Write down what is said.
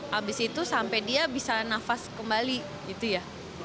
habis itu sampai dia bisa nafas kembali gitu ya